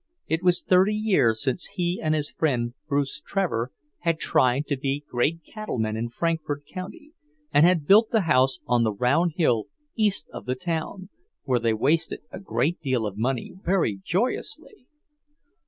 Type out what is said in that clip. It was thirty years since he and his friend, Bruce Trevor, had tried to be great cattle men in Frankfort county, and had built the house on the round hill east of the town, where they wasted a great deal of money very joyously.